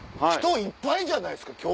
人がいっぱいじゃないですか？